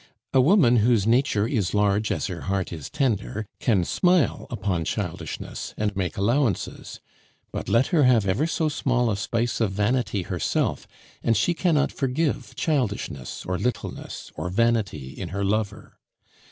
A woman, whose nature is large as her heart is tender, can smile upon childishness, and make allowances; but let her have ever so small a spice of vanity herself, and she cannot forgive childishness, or littleness, or vanity in her lover.